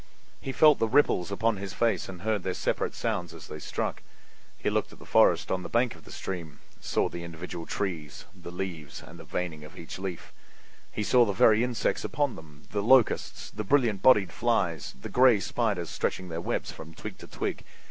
He felt the ripples upon his face and heard their separate sounds as they struck. He looked at the forest on the bank of the stream, saw the individual trees, the leaves and the veining of each leaf—he saw the very insects upon them: the locusts, the brilliant bodied flies, the gray spiders stretching their webs from twig to twig.